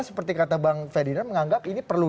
seperti kata bang ferdinand menganggap ini perlu